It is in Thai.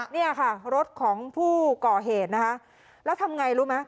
เนี่ยค่ะรถของผู้ก่อเหตุนะคะแล้วทำไงรู้ไหม